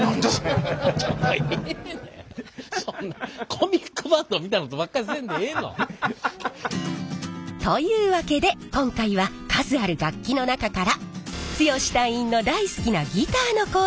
コミックバンドみたいなことばっかりせんでええの。というわけで今回は数ある楽器の中から剛隊員の大好きなギターの工場を探検します！